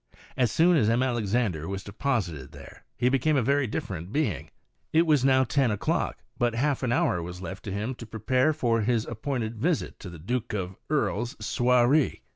As soon as M. Alexandre was deposited there he became a very different being. It was now ten o'clock, and but half an hour was left to him to prepare for his appointed visit to the Duke of \s soiree.